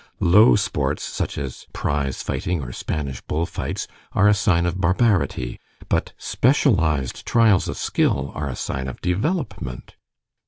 Low sports, such as prize fighting or Spanish bull fights, are a sign of barbarity. But specialized trials of skill are a sign of development."